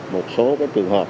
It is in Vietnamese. một số trường hợp